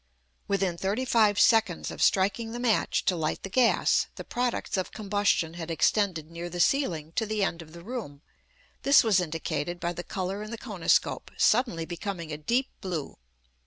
Within thirty five seconds of striking the match to light the gas, the products of combustion had extended near the ceiling to the end of the room; this was indicated by the colour in the koniscope suddenly becoming a deep blue.